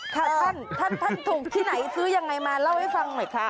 ท่านท่านถูกที่ไหนซื้อยังไงมาเล่าให้ฟังหน่อยค่ะ